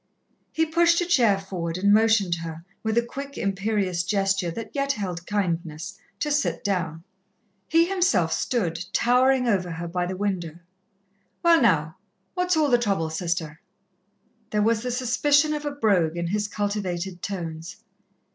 He pushed a chair forward and motioned her, with a quick, imperious gesture that yet held kindness, to sit down. He himself stood, towering over her, by the window. "Well, now, what's all the trouble, Sister?" There was the suspicion of a brogue in his cultivated tones.